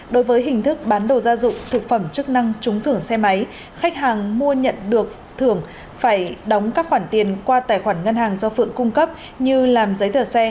đối với hình thức bán đồ gia dụng thực phẩm chức năng trúng thưởng xe máy khách hàng mua nhận được thưởng phải đóng các khoản tiền qua tài khoản ngân hàng do phượng cung cấp như làm giấy tờ xe